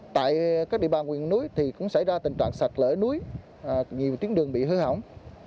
tại các địa bàn nguyên núi thì cũng xảy ra tình trạng sạch lỡ núi nhiều tiếng đường bị hư hỏng